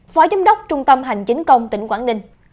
phó giám đốc trung tâm hành chính công tỉnh quảng ninh